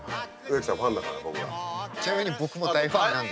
ちなみに僕も大ファンなんで。